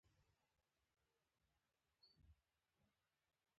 دا د دې هېواد د سیاسي بنسټونو د پایلې په توګه دي.